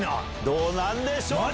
どうなんでしょうか。